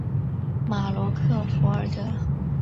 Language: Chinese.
马罗克弗尔德。